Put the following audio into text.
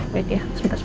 baik ya sebentar soh